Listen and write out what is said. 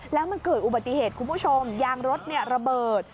แล้วมันเกิดอุบัติเหตุคุณผู้ชมยางรถระเบิด